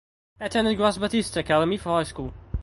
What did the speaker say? He attended Grace Baptist Academy for high school.